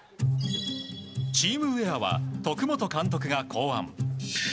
チームウェアは徳本監督が考案。